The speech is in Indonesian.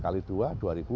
kali dua dua ribu enam ratus